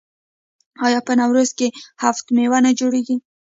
آیا په نوروز کې هفت میوه نه جوړیږي؟